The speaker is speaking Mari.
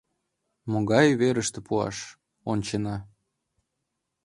Могай верыште пуаш — ончена.